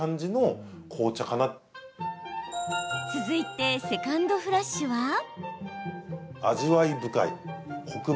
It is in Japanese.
続いてセカンドフラッシュは？